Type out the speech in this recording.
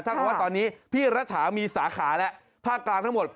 ถ้าตอนนี้พี่รัฐามีสาขาและภาคกลางทั้งหมด